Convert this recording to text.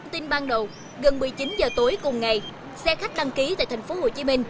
tin ban đầu gần một mươi chín h tối cùng ngày xe khách đăng ký tại tp hcm